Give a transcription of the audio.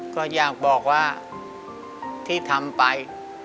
ก็อยากบอกว่าที่ทำไป